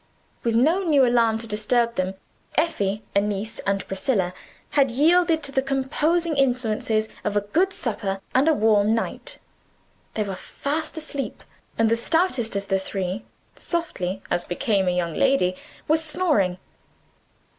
With no new alarm to disturb them, Effie, Annis, and Priscilla had yielded to the composing influences of a good supper and a warm night. They were fast asleep and the stoutest of the three (softly, as became a young lady) was snoring!